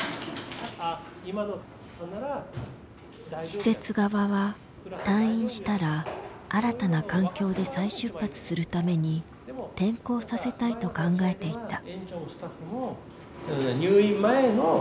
施設側は退院したら新たな環境で再出発するために転校させたいと考えていた。